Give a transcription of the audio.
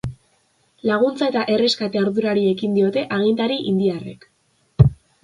Laguntza eta erreskate ardurari ekin diote agintari indiarrek.